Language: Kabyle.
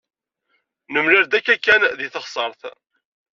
Nemlal-d akka kan deg teɣsert.